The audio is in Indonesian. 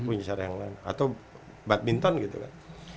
punya cara yang lain atau badminton gitu kan